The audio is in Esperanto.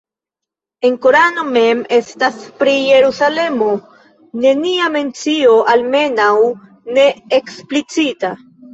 En Korano mem estas pri Jerusalemo nenia mencio, almenaŭ ne eksplicita.